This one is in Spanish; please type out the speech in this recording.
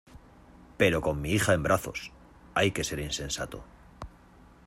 pero con mi hija en brazos. hay que ser insensato